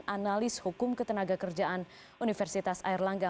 analis hukum ketenagakerjaan universitas airlangga